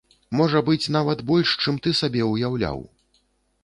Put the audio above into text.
Можа быць, нават больш, чым ты сабе ўяўляў.